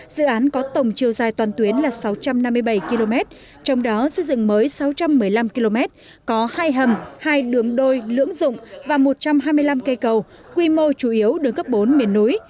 dự án có tổng chiều dài toàn tuyến là sáu trăm năm mươi bảy km trong đó xây dựng mới sáu trăm một mươi năm km có hai hầm hai đường đôi lưỡng dụng và một trăm hai mươi năm cây cầu quy mô chủ yếu đường cấp bốn miền núi